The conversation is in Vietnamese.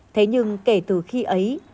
thế nhưng kể từ khi ấy